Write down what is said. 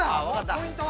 ポイントは。